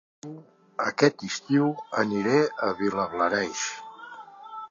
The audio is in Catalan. Aquest estiu aniré a Vilablareix